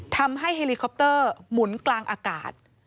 ทำให้เฮลีคอปเตอร์หมุนกลางอากาศ